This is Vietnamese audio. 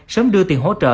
sớm đưa tiền hỗ trợ